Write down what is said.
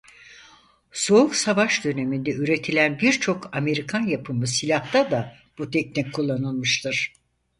Soğuk savaş döneminde üretilen birçok Amerikan yapımı silahta da bu teknik kullanılmıştır.